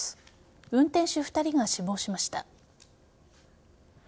運転手２人が死亡しました。